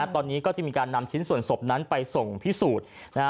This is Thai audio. ตอนนี้ก็จะมีการนำชิ้นส่วนศพนั้นไปส่งพิสูจน์